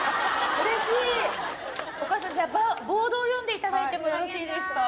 お母さんじゃあボードを読んでいただいてもよろしいですか？